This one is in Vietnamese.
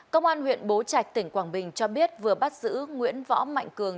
công an huyện bố trạch tỉnh quảng bình cho biết vừa bắt giữ nguyễn võ mạnh cường